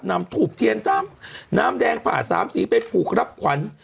ถูบเทียนตามน้ำแดงผ่าสามสีไปผูกรับขวัญ